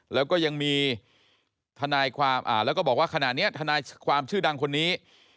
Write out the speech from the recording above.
แล้วก็ยังมีทนายความแล้วก็บอกว่าขณะนี้ทนายความชื่อดังคนนี้